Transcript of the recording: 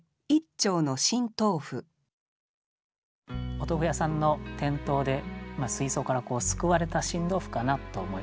お豆腐屋さんの店頭で水槽からすくわれた新豆腐かなと思いましたね。